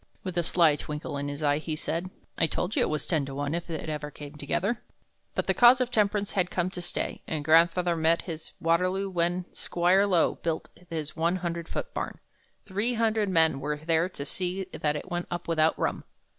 With a sly twinkle in his eye he said, 'I told you it was ten to one if it ever came together.' "But the cause of temperance had come to stay, and grandfather met his Waterloo when Squire Low built his one hundred foot barn. Three hundred men were there to see that it went up without rum.